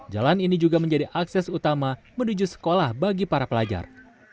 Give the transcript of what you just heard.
jalan ini juga menjadi akses utama menuju sekolah bagi para pelajar